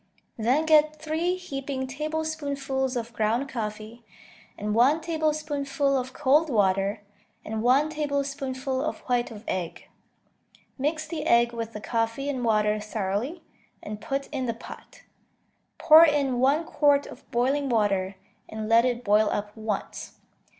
Then get three heaping tablespoonfuls of ground coffee, and one tablespoonful of cold water, and one tablespoonful of white of egg. Mix the egg with the coffee and water thoroughly, and put in the pot. Pour in one quart of boiling water, and let it boil up once.